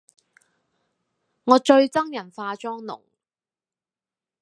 我最憎人化妝濃